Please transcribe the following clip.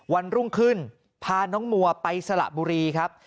วันรุ่งขึ้นพาน้องมัวไปสละบุรีครับ